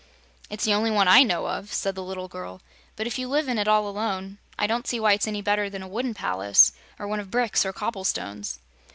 "It's the only one I know of," said the little girl; "but if you live in it all alone, I don't see why it's any better than a wooden palace, or one of bricks or cobble stones."